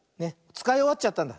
つかいおわっちゃったんだ。